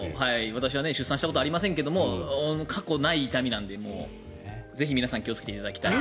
私は出産したことありませんが過去にないくらいの痛みなのでぜひ皆さん気をつけていただきたい。